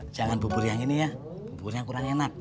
jangan bubur yang ini ya buburnya kurang enak